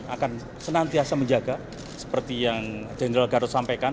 akan senantiasa menjaga seperti yang jenderal gatot sampaikan